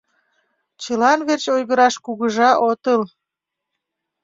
Чылан верч ойгыраш кугыжа отыл.